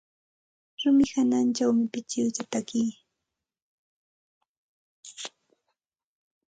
Rumi hawanćhawmi pichiwsa taki.